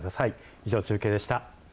以上、中継でした。